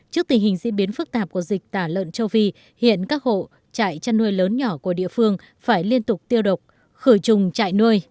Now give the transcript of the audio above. trước tình hình diễn biến phức tạp của dịch tả lợn châu phi hiện các hộ trại chăn nuôi lớn nhỏ của địa phương phải liên tục tiêu độc khử trùng trại nuôi